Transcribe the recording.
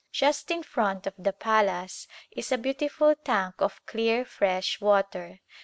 Just in front of the palace is a beautiful tank of clear, fresh water.